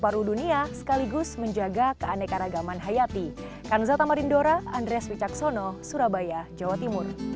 dan paru dunia sekaligus menjaga keanekaragaman hayati